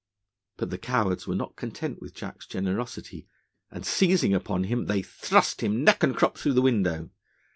But the cowards were not content with Jack's generosity, and seizing upon him, they thrust him neck and crop through the window.